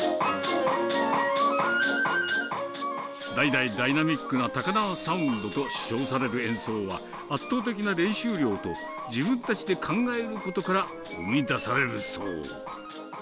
代々ダイナミックな高輪サウンドと称される演奏は、圧倒的な練習量と、自分たちで考えることから、生み出されるそう。